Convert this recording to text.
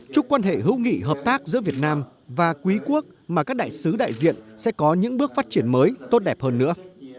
chúc quan hệ hữu nghị hợp tác giữa việt nam và quý quốc mà các đại sứ đại diện sẽ có những bước phát triển mới tốt đẹp hơn nữa